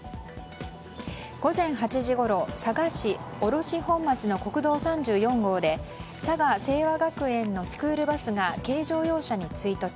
午前８時ごろ佐賀市卸本町の国道３４号で佐賀清和学園のスクールバスが軽乗用車に追突。